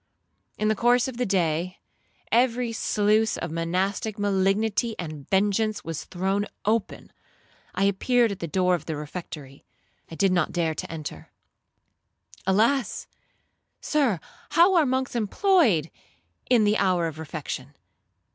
'In the course of the day, every sluice of monastic malignity and vengeance was thrown open. I appeared at the door of the refectory. I did not dare to enter. Alas! Sir, how are monks employed in the hour of refection?